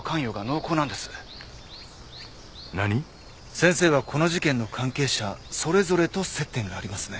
先生はこの事件の関係者それぞれと接点がありますね？